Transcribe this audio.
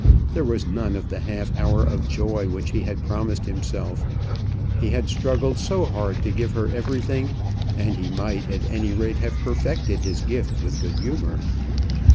There was none of the half hour of joy which he had promised himself. He had struggled so hard to give her everything, and he might, at any rate, have perfected his gift with good humour.